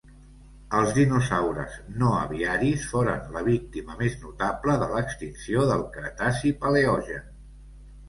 Els dinosaures no aviaris foren la víctima més notable de l'extinció del Cretaci-Paleogen.